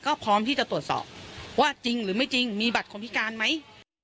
ก็พร้อมที่จะตรวจสอบว่าจริงหรือไม่จริงมีบัตรคนพิการไหม